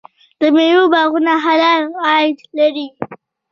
د میوو باغونه حلال عاید لري.